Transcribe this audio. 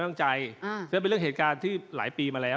สำนะให้ที่มันเป็นเรื่องเหตุการณ์ที่หลายปีมาแล้ว